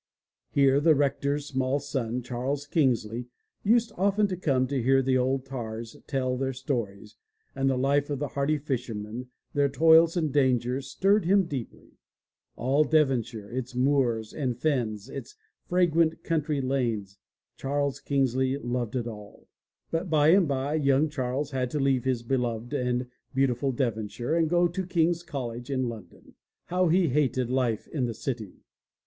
Here the rector's small son, Charles Kingsley, used often to come to hear the old tars tell their stories, and the life of the hardy fishermen, their toils and dangers stirred him deeply. All Devonshire — its moors and fens, its fragrant country lanes — Charles Kingsley loved it all. But by and by, young Charles had to leave his beloved and beautiful Devonshire and go to King's College in London. How he hated life in the city!